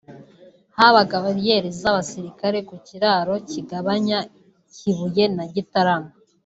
habaga bariyeri y’abasirikare ku kiraro kigabanya Kibuye na Gitarama